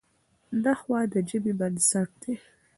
نحوه د ژبي بنسټ دئ.